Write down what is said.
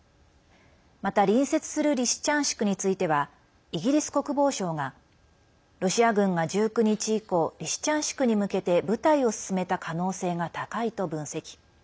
また、隣接するリシチャンシクについてはイギリス国防省がロシア軍が１９日以降リシチャンシクに向けて部隊を進めた可能性が高いと分析。